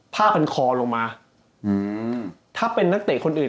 ผ้าพันคอลงมาอืมถ้าเป็นนักเตะคนอื่น